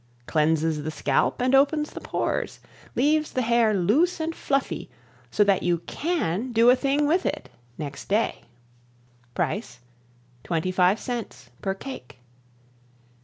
Cleanses the scalp and opens the pores. Leaves the hair loose and fluffy, so that "You CAN do a thing with it" next day. Price: 25 cents per cake.